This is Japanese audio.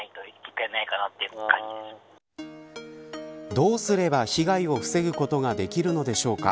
どうすれば被害を防ぐことができるのでしょうか。